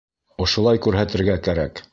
Ошолай күрһәтергә кәрәк!